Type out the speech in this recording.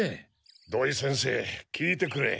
土井先生聞いてくれ。